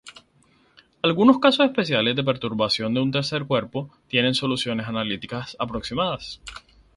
Algunos casos especiales de perturbaciones de un tercer cuerpo tienen soluciones analíticas aproximadas.